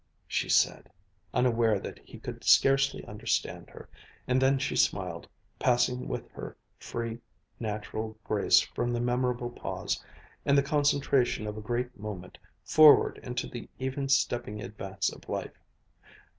she said, unaware that he could scarcely understand her, and then she smiled, passing with her free, natural grace from the memorable pause, and the concentration of a great moment forward into the even stepping advance of life.